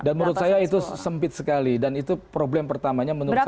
dan menurut saya itu sempit sekali dan itu problem pertamanya menurut saya